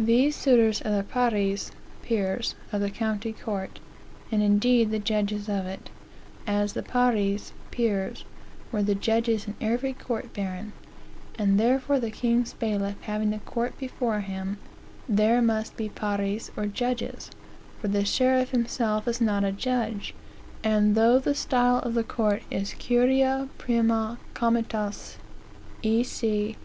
These suitors are the pares (peers) of the county court, and indeed the judges of it; as the pares (peers) were the judges in every court baron; and therefore the king's bailiff having a court before him, there must be pares or judges, for the sheriff himself is not a judge; and though the style of the court is Curia prima Comitatus E. C.